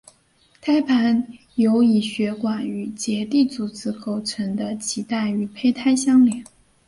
胎盘由以血管与结缔组织构成的脐带与胚胎相连。